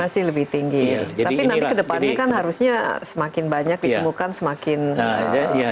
masih lebih tinggi tapi nanti ke depannya kan harusnya semakin banyak ditemukan semakin produktif